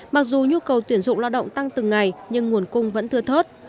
mặc dù nhu cầu tuyển dụng lao động tăng từng ngày nhưng nguồn cung vẫn thưa thớt